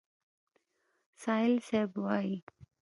سایل صیب وایي: